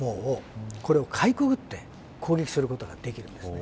これを、かいくぐって攻撃することができるんです。